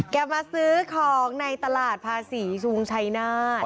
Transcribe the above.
แกมาซื้อของในตลาดภาษีศูนย์ชัยนาศ